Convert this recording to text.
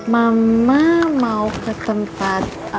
mama mau ke tempat